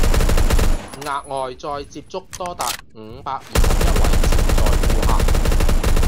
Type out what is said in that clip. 額外再接觸多達五百二十一位潛在顧客